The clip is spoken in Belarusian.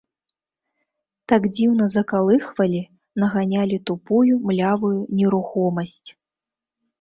Так дзіўна закалыхвалі, наганялі тупую, млявую нерухомасць.